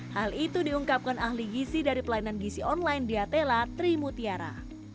hal itu diungkapkan ahli gisi dari pelayanan gisi online di atela trimu tiara